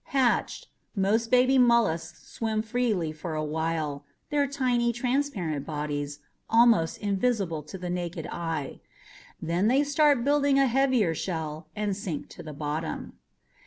Hatched, most baby mollusks swim freely for a while, their tiny, transparent bodies almost invisible to the naked eye. Then they start building a heavier shell and sink to the bottom.